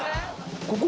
ここ？